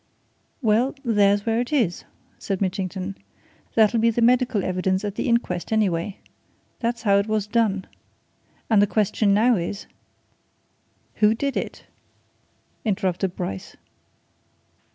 "Well, there's where it is!" said Mitchington. "That'll be the medical evidence at the inquest, anyway. That's how it was done. And the question now is " "Who did it?" interrupted Bryce.